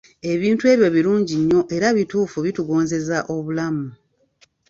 Ebintu ebyo birungi nnyo era mu butuufu bitungozeza obulamu.